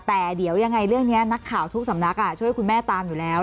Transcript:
แต่เดี๋ยวยังไงเรื่องนี้นักข่าวทุกสำนักช่วยคุณแม่ตามอยู่แล้ว